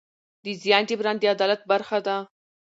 د زیان جبران د عدالت برخه ده.